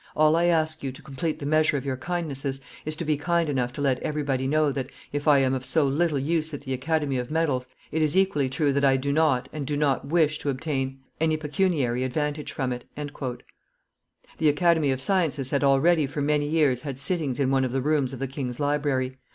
All I ask you, to complete the measure of your kindnesses, is to be kind enough to let everybody know that, if I am of so little use at the Academy of Medals, it is equally true that I do not and do not wish to obtain any pecuniary advantage from it." The Academy of Sciences had already for many years had sittings in one of the rooms of the king's library.